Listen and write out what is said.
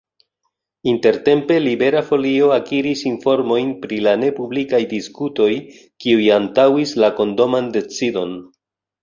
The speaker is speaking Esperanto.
Intertempe Libera Folio akiris informojn pri la nepublikaj diskutoj kiuj antaŭis la kondoman decidon.